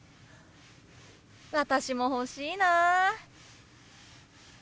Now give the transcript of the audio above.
私も欲しいな。